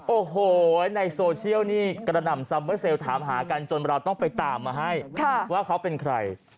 โอ้โหในโซเชียลนี่กระหน่ำซัมเบอร์เซลล์ถามหากันจนเราต้องไปตามมาให้ว่าเขาเป็นใคร